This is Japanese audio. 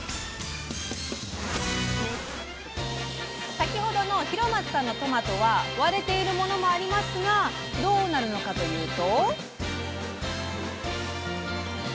先ほどの広松さんのトマトは割れているものもありますがどうなるのかというと。